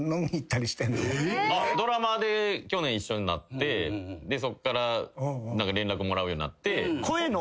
ドラマで去年一緒になってそっから連絡もらうようになって。